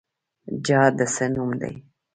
جهاد د څه نوم دی؟